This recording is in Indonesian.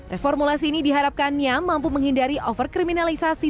reformulasi ini diharapkannya mampu menghindari overkriminalisasi